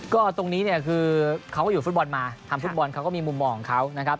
ก็ตรงนี้เนี่ยคือเขาก็อยู่ฟุตบอลมาทำฟุตบอลเขาก็มีมุมมองของเขานะครับ